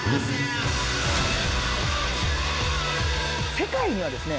世界にはですね